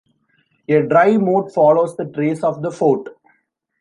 A dry moat follows the trace of the fort.